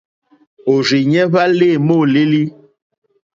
Òrzìɲɛ́ hwá lê môlélí.